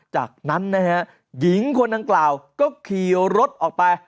จากนั้นหญิงคนนั้นกล่าวก็ขี่รถออกไป